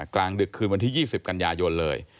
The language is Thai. กลางดึกคืนวันที่๒๐กันยายนเลย